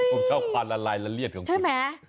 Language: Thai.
พวกเจ้าความละลายละเลียดของคุณ